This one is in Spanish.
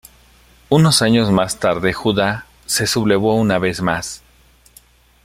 Unos años más tarde Judá se sublevó una vez más.